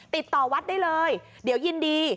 ติดต่อวัดได้เลยเดี๋ยวยินดี